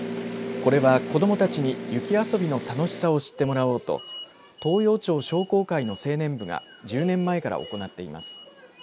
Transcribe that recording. これは子どもたちに雪遊びの楽しさを知ってもらおうと東洋町商工会の青年部が１０年前から行っています。